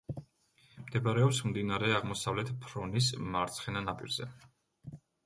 მდებარეობს მდინარე აღმოსავლეთ ფრონის მარცხენა ნაპირზე.